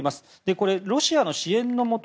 これはロシアの支援のもと